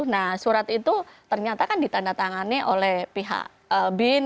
nah surat itu ternyata kan ditandatangani oleh pihak bin